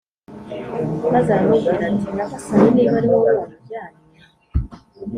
maze aramubwira ati Nyagasani niba ari wowe wamujyanye